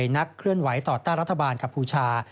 นักเคลื่อนไหวต่อต้านรัฐบาลกัมพูชา